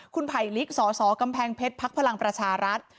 คุณไผลลิกสสกำแพงเพชรพักพลังประชารัฐ